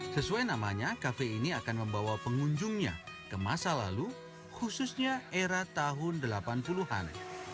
sesuai namanya kafe ini akan membawa pengunjungnya ke masa lalu khususnya era tahun delapan puluh an